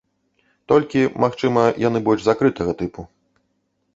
Толькі, магчыма, яны больш закрытага тыпу.